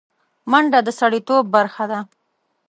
منډه د سړيتوب برخه ده